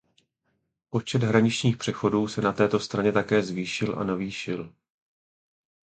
Počet hraničních přechodů se na této straně také zvýšil a navýšil.